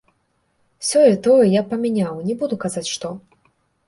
Сёе-тое я б памяняў, не буду казаць, што.